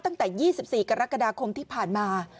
ตั้งแต่๒๔กรกฎาคมที่ผ่านมา